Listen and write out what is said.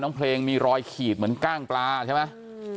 เพลงมีรอยขีดเหมือนกล้างปลาใช่ไหม